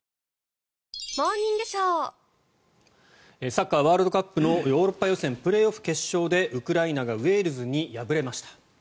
サッカーワールドカップのヨーロッパ予選プレーオフ決勝でウクライナがウェールズに敗れました。